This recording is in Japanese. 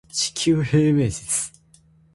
地球平面説